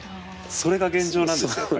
それが現状なんですやっぱり。